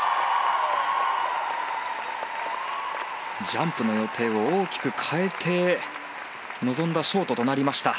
ジャンプの予定を大きく変えて臨んだショートとなりました。